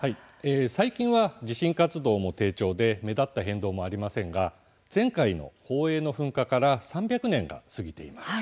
最近は地震活動も低調で目立った変動もありませんが前回の宝永の噴火から３００年が過ぎています。